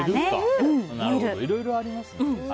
いろいろありますね。